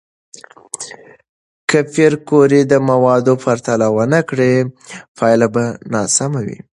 که پېیر کوري د موادو پرتله ونه کړي، پایله به ناسم وي.